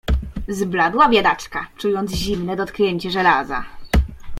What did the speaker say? "Zbladła biedaczka, czując zimne dotknięcie żelaza."